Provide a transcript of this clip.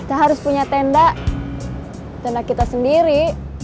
kita harus punya tenda tenda kita sendiri